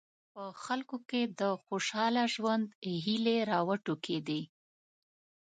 په خلکو کې د خوشاله ژوند هیلې راوټوکېدې.